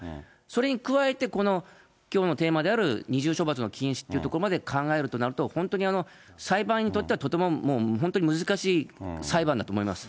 それに加えて、このきょうのテーマである、二重処罰の禁止というところまで考えるとなると、本当に裁判員にとってはとても本当に難しい裁判だと思います。